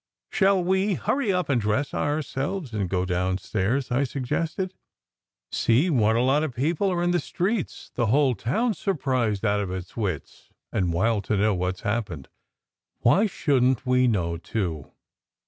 SECRET HISTORY 115 "Shall we hurry up and dress ourselves and go down stairs?" I suggested. "See what a lot of people are in the streets. The whole town s surprised out of its wits, and wild to know what s happened. Why shouldn t we know, too?"